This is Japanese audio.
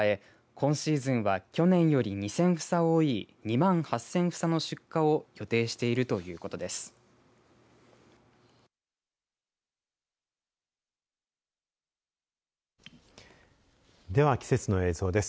今シーズンは去年より２０００房多い２万８０００房の出荷を予定しているということです。